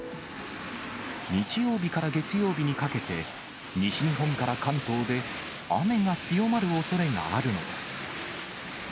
日曜日から月曜日にかけて、西日本から関東で、雨が強まるおそれがあるのです。